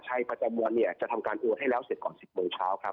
ใช่ประจำวันจะทำการโอนให้แล้วเสร็จก่อน๑๐โมงเช้า